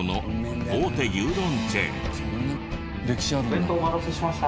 お弁当お待たせしました。